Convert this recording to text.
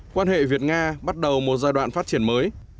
quan hệ việt nga bắt đầu một giai đoạn phát triển mới